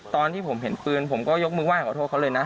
ตอนที่ผมเห็นปืนผมก็ยกมือไห้ขอโทษเขาเลยนะ